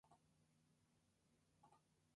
Su sede está en Wilkes-Barre.